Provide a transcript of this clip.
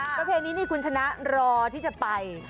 ประเพณีนี่คุณชนะรอที่จะไป